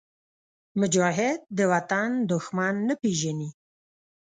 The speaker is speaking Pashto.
مجاهد د وطن دښمن نه پېژني.